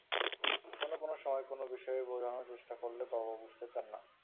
কোনো কোনো সময় কোনো বিষয়ে বোঝানোর চেষ্টা করলেও বাবা বুঝতে চান না।